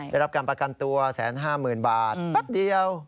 ได้รับการประกันตัว๑๕๐๐๐บาทแป๊บเดียว